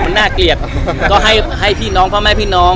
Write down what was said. มันน่าเกลียดก็ให้พี่น้องพ่อแม่พี่น้อง